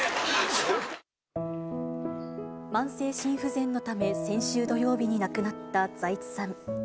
慢性心不全のため、先週土曜日に亡くなった財津さん。